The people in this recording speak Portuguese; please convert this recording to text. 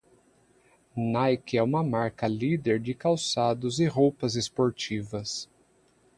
Nike é uma marca líder de calçados e roupas esportivas.